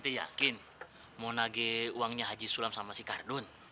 dia yakin mau nagih uangnya haji sulam sama si kardun